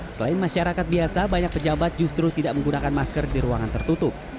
selain masyarakat biasa banyak pejabat justru tidak menggunakan masker di ruangan tertutup